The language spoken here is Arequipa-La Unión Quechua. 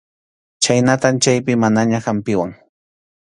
Chhaynatam chaypi mamaña hampiwan.